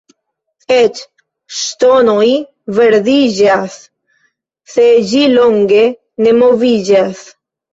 Eĉ ŝtono verdiĝas, se ĝi longe ne moviĝas.